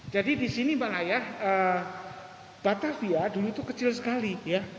jadi di sini pak naya batavia dulu itu kecil sekali ya